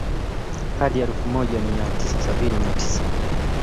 hadi elfu moja mia tisa sabini na tisa